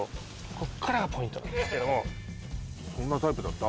こっからがポイントなんですけどもそんなタイプだった？